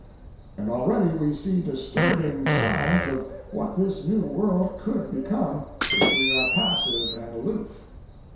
And already, we see disturbing signs of what this new world could become if we are passive and aloof.